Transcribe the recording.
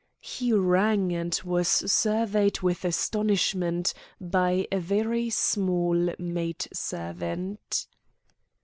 He rang, and was surveyed with astonishment by a very small maid servant.